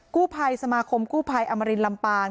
กู้ภัยสมาคมกู้ภัยอมรินลำปาง